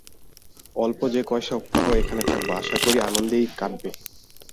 অল্প যে কয় সপ্তাহ এখানে থাকব, আশা করি আনন্দেই কাটবে।